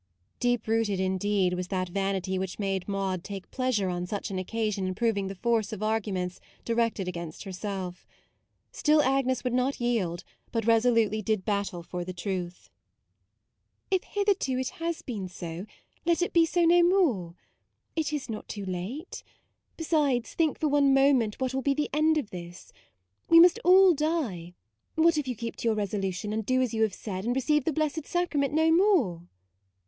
Deep rooted, indeed, was that vanity which made Maude take pleasure on such an occasion in proving the force of arguments di rected against herself. Still Agnes would not yield, but resolutely did battle for the truth. u If hitherto it has been so, let it be so no more. It is not too late: MAUDE 73 besides, think for one moment what will be the end of this. We must all die : what if you keep to your resolution, and do as you have said, and receive the Blessed Sacrament no more